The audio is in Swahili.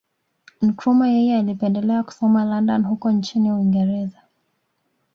Nkrumah yeye alipendelea kusoma London huko nchini Uingereza